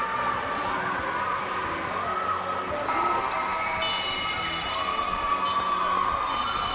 สวัสดีครับสวัสดีครับ